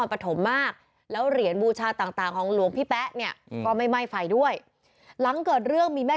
นำสลากมาให้เอามาให้เลยนะ๒ใบ